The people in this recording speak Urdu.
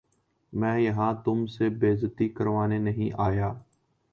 میں یہاں تم سے بے عزتی کروانے نہیں آیا